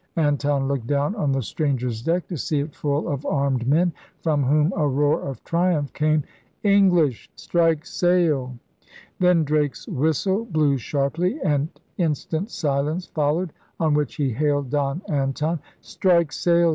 Anton looked down on the stranger's deck to see it full of armed men from whom a roar of triumph came. English! strike sail! Then Drake's whistle blew sharply and instant silence followed; on which he hailed Don Anton: — Strike sail!